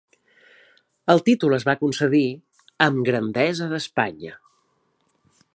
El títol es va concedir amb Grandesa d'Espanya.